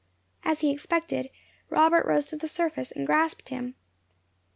As he expected, Robert rose to the surface and grasped him.